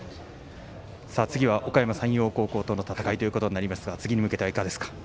次はおかやま山陽との戦いとなりますが次に向けては、いかがですか。